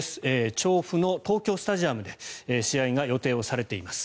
調布の東京スタジアムで試合が予定をされています。